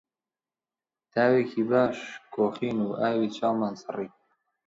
تاوێکی باش کۆخین و ئاوی چاومان سڕی